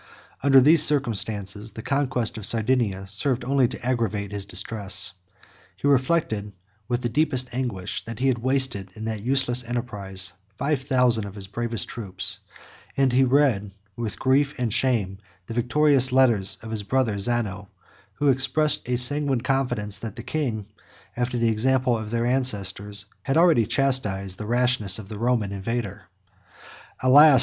Under these circumstances, the conquest of Sardinia served only to aggravate his distress: he reflected, with the deepest anguish, that he had wasted, in that useless enterprise, five thousand of his bravest troops; and he read, with grief and shame, the victorious letters of his brother Zano, 2012 who expressed a sanguine confidence that the king, after the example of their ancestors, had already chastised the rashness of the Roman invader. "Alas!